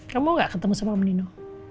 kamu mau gak ketemu sama om nino